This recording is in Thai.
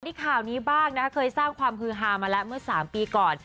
ที่ข่าวนี้บ้างนะเคยสร้างความฮือฮามาแล้วเมื่อ๓ปีก่อน